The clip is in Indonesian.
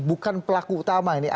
bukan pelaku utama ini